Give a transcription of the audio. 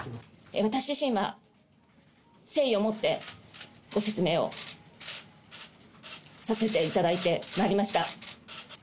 私自身は誠意を持ってご説明をさせていただいてまいりました。